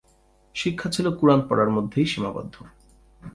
শিক্ষা ছিল কুরআন পড়ার মধ্যেই সীমাবদ্ধ।